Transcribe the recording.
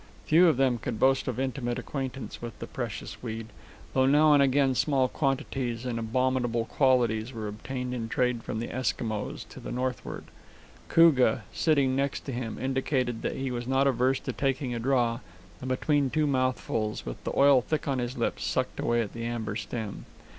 Few of them could boast of intimate acquaintance with the precious weed, though now and again small quantities and abominable qualities were obtained in trade from the Eskimos to the northward. Koogah, sitting next to him, indicated that he was not averse to taking a draw, and between two mouthfuls, with the oil thick on his lips, sucked away at the amber stem.